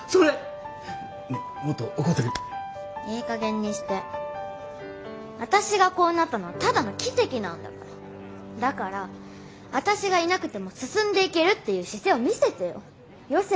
ねえもっと怒っていい加減にして私がこうなったのはただの奇跡なんだからだから私がいなくても進んでいけるっていう姿勢を見せてよ